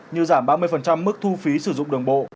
như giảm ba mươi mức thu phí sử dụng đường bộ